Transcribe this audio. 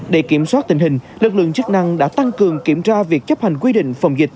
để kiểm soát tình hình lực lượng chức năng đã tăng cường kiểm tra việc chấp hành quy định phòng dịch